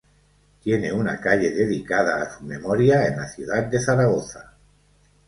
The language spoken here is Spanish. Tiene una calle dedicada a su memoria en la ciudad de Zaragoza